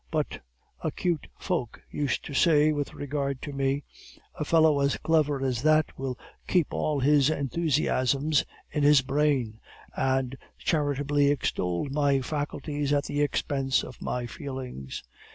But acute folk used to say with regard to me, 'A fellow as clever as that will keep all his enthusiasms in his brain,' and charitably extolled my faculties at the expense of my feelings.